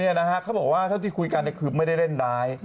นี่นะครับเขาบอกว่าเมื่อที่คุยกันคือไม่ได้เล่นราย